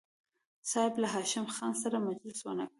صاحب له هاشم خان سره مجلس ونه کړ.